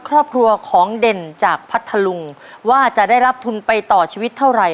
ครอบครัวของเด่นจากพัทธลุงว่าจะได้รับทุนไปต่อชีวิตเท่าไหร่